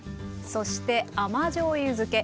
そして甘じょうゆ漬け。